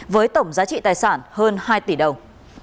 với tổng giá trị tài sản hơn hai tỷ đồng